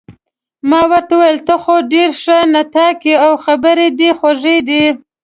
ما ورته وویل: ته خو ډېر ښه نطاق يې، او خبرې دې خوږې دي.